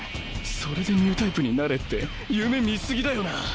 それでニュータイプになれって夢見過ぎだよな。